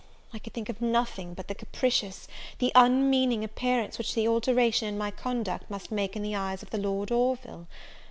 I could think of nothing but the capricious, the unmeaning appearance which the alteration in my conduct must make in the eyes of the Lord Orville!